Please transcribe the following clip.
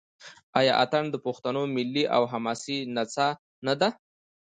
آیا اټن د پښتنو ملي او حماسي نڅا نه ده؟